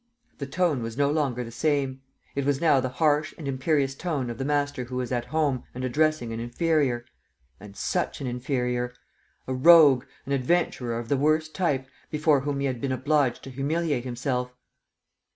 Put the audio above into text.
The tone was no longer the same. It was now the harsh and imperious tone of the master who is at home and addressing an inferior ... and such an inferior! A rogue, an adventurer of the worst type, before whom he had been obliged to humiliate himself!